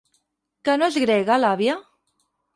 Que no és grega, l'àvia?